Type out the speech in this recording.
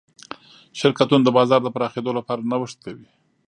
شرکتونه د بازار د پراخېدو لپاره نوښت کوي.